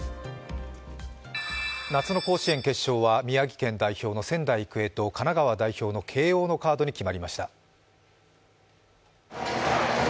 夏の甲子園決勝は宮城県代表の仙台育英と神奈川代表の慶応のカードに決まりました。